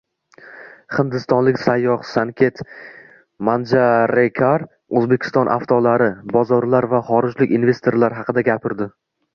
Hindistonlik sayyoh Sanket Manjarekar Oʻzbekiston avtolari, bozorlar va xorijlik investorlar haqida gapirdi